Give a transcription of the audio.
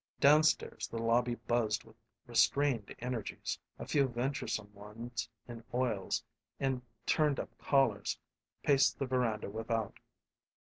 Downstairs the lobby buzzed with restrained energies; a few venturesome ones in oils and turned up collars paced the veranda without.